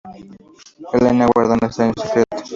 Elena guarda un extraño secreto.